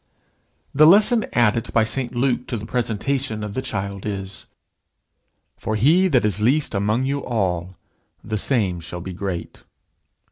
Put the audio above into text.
The lesson added by St Luke to the presentation of the child is: "For he that is least among you all, the same shall be great."